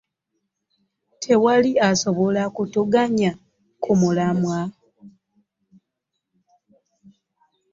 Tewali asobola kutuggya ku mulamwa.